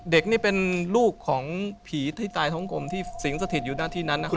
เด็กนี่เป็นลูกของผีที่ตายท้องกลมที่สิงสถิตอยู่หน้าที่นั้นนะครับ